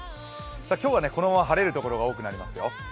今日はこのまま晴れるところが多くなりますよ。